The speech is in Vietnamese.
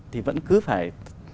thì vẫn cứ phải